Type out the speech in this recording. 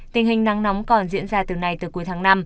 tình hình nắng nóng còn diễn ra từ nay từ cuối tháng năm